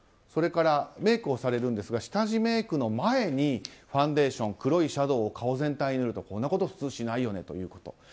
それからメイクをされるんですが下地メイクの前にファンデーション黒いシャドーを顔全体に塗るとこんなこと普通しないよねということ。